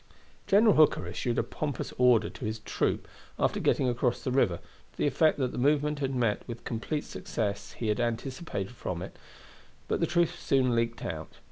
General Hooker issued a pompous order to his troop after getting across the river, to the effect that the movement had met with the complete success he had anticipated from it; but the truth soon leaked out.